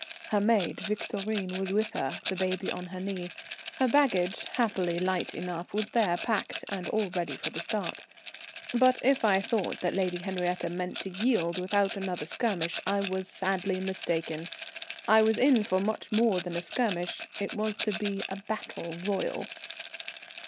Her maid, Victorine, was with her, the baby on her knee. Her baggage, happily light enough, was there, packed and all ready for a start. But if I thought that Lady Henriette meant to yield without another skirmish I was sadly mistaken. I was in for much more than a skirmish; it was to be a battle royal.